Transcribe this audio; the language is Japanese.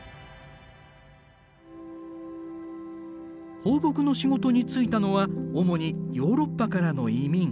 放牧の仕事に就いたのは主にヨーロッパからの移民。